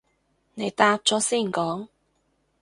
你答咗先講